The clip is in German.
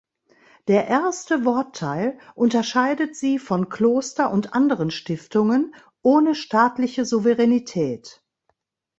Der erste Wortteil unterscheidet sie von Kloster- und anderen Stiftungen ohne staatliche Souveränität.